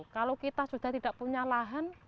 kalau kita sudah tidak punya lahan